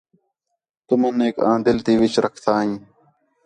تُمنیک آں دِل تی وِچ رکھدا ہیں